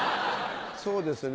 そうですね